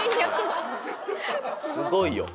すごいよ。